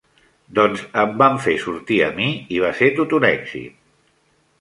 Doncs em van fer sortir a mi, i va ser tot un èxit.